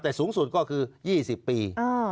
แต่สูงสุดก็คือ๒๐ปี